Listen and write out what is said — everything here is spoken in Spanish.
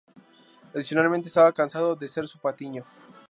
Adicionalmente estaba cansado de ser su patiño.